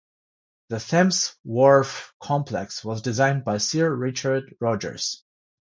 The Thames Wharf Complex was designed by Sir Richard Rogers.